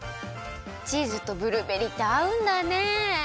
チーズとブルーベリーってあうんだね！